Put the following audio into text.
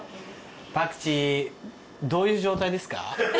パクチーどういう状態ですか？